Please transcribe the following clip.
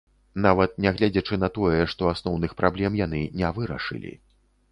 Нават нягледзячы на тое, што асноўных праблем яны не вырашылі.